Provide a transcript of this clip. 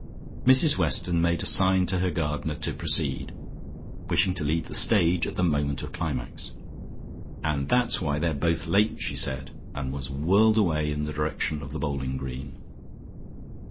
Mrs Weston made a sign to her gardener to proceed, wishing to leave the stage at the moment of climax. "And that's why they're both late," she said, and was whirled away in the direction of the bowling green.